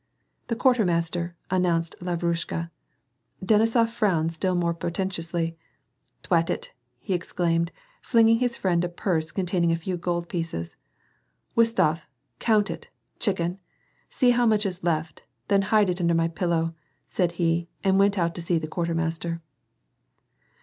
"The quartermaster," announced Lavrushka. Denisof frowned still more portentously. " Dwat it," he exclaimed, flinging his friend a purse contain ing a few gold pieces. " Wostof, count it, chicken ! see how much is left, then hide it under my pillow," said he, and went out to see the quartermaster.